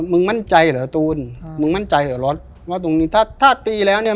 มึงมั่นใจเหรอตูนมึงมั่นใจเหรอรถว่าตรงนี้ถ้าถ้าตีแล้วเนี่ย